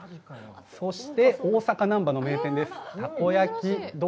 そして大阪難波の名店です。